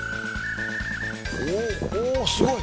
おっおっすごい。